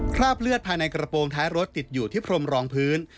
คราบเลือดภายในกระโปรงท้ายรถติดอยู่ที่พรมรองพื้น